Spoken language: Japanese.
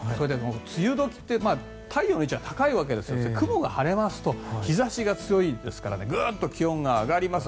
梅雨時って太陽の位置が高いので雲が晴れますと日差しが強いのでぐっと気温が上がります。